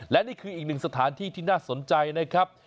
และนี่คืออีกหนึ่งสถานที่ที่น่าสนใจนะครับ